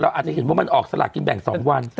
อาจจะเห็นว่ามันออกสลากกินแบ่ง๒วัน